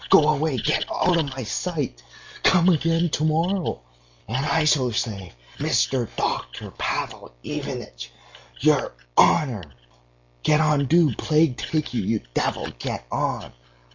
Go away! Get out of my sight. Come again to morrow.' And I shall say: 'Mr. Doctor! Pavel Ivanitch! Your honor!' Get on, do! plague take you, you devil! Get on!"